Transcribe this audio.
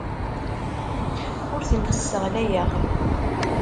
Ur tent-sseɣlayeɣ.